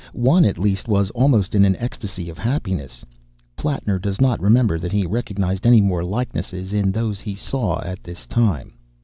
One, at least, was almost in an ecstasy of happiness. Plattner does not remember that he recognised any more likenesses in those he saw at this time.